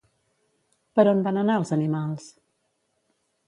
Per on van anar els animals?